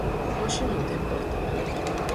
Hoxe non ten porta.